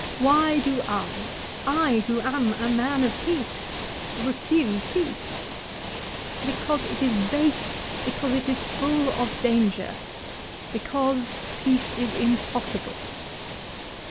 "Why do I, I who am a man of peace, refuse peace ? Because it is base, because it is full of danger, because peace is impossible."